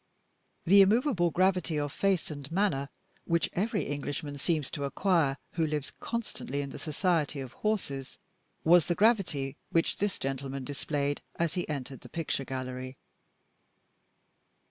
The immovable gravity of face and manner which every Englishman seems to acquire who lives constantly in the society of horses, was the gravity which this gentleman displayed as he entered the picture gallery.